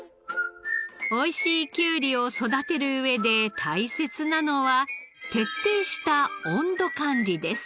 おいしいきゅうりを育てる上で大切なのは徹底した温度管理です。